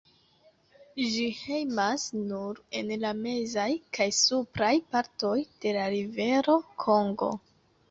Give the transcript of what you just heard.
Ĝi hejmas nur en la mezaj kaj supraj partoj de la rivero Kongo.